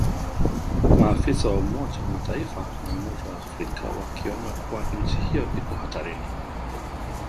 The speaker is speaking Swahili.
maafisa wa Umoja wa Mataifa na Umoja wa Afrika wakionya kuwa nchi hiyo iko hatarini